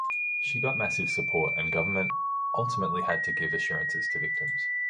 She got massive support and Govt ultimately had to give assurances to victims.